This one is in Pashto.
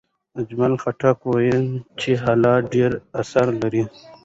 اجمل خټک وویل چې حالات ډېر اثر لري.